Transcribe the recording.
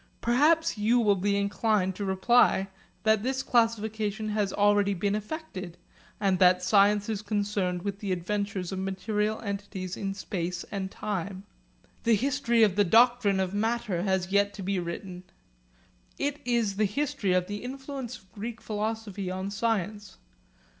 Perhaps you will be inclined to reply that this classification has already been effected, and that science is concerned with the adventures of material entities in space and time. The history of the doctrine of matter has yet to be written. It is the history of the influence of Greek philosophy on science.